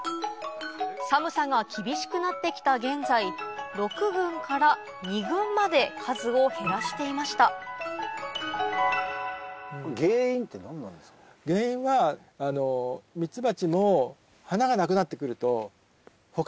寒さが厳しくなって来た現在６群から２群まで数を減らしていました原因はミツバチも。